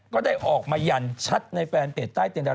ก็ได้ออกมายันชัดในแฟนเปลี่ยน